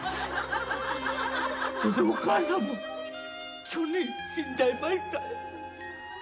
そのお母さんも去年死んじゃいました。